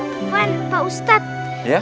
lukman pak ustadz